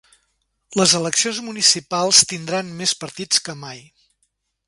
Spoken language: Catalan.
Les eleccions municipals tindran més partits que mai